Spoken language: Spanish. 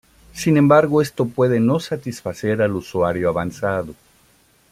Sin embargo esto puede no satisfacer al usuario avanzado.